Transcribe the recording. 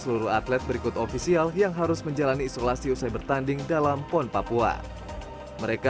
seluruh atlet berikut ofisial yang harus menjalani isolasi usai bertanding dalam pon papua mereka